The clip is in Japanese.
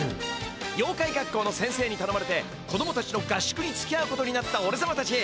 ようかい学校の先生にたのまれて子どもたちの合宿につきあうことになったおれさまたち。